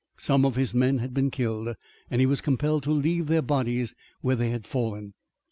Some of his men had been killed, and he was compelled to leave their bodies where they had fallen.